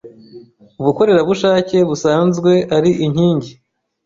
ubukorerabushake, busanzwe ari inking